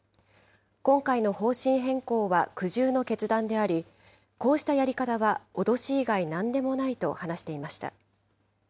今回の方針変更は、苦渋の決断であり、こうしたやり方は脅し以外なんでもないと話していました。